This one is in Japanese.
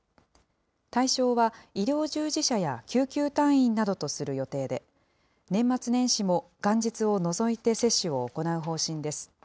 対象は医療従事者や救急隊員などとする予定で、年末年始も元日を除いて接種を行う方針です。